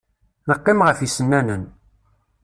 Neqqim ɣef yisennanen.